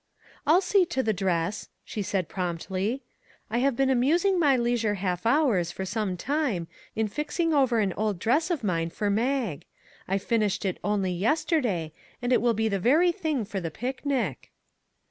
" I'll see to the dress," she said promptly. " I have been amusing my leisure half hours for some time in fixing over an old dress of mine for Mag. I finished it only yesterday, and it will be the very thing for the picnic."